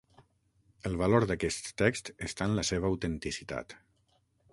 El valor d'aquest text està en la seva autenticitat.